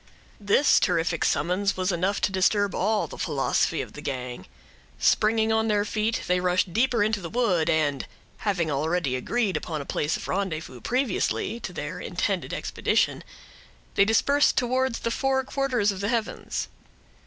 This terrific summons was enough to disturb all the philosophy of the gang. Springing on their feet, they rushed deeper into the wood, and having already agreed upon a place of rendezvous previously to their intended expedition, they dispersed towards the four quarters of the heavens.